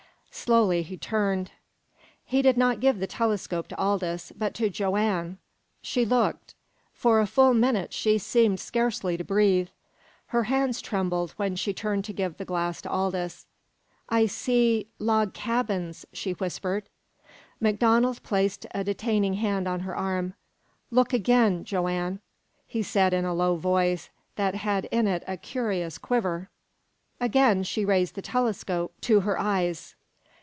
Slowly he turned. He did not give the telescope to Aldous, but to Joanne. She looked. For a full minute she seemed scarcely to breathe. Her hands trembled when she turned to give the glass to Aldous. "I see log cabins!" she whispered. MacDonald placed a detaining hand on her arm. "Look ag'in Joanne," he said in a low voice that had in it a curious quiver. Again she raised the telescope to her eyes.